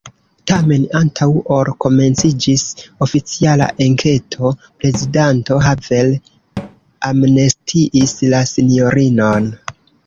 Tamen, antaŭ ol komenciĝis oficiala enketo, prezidanto Havel amnestiis la sinjorinon.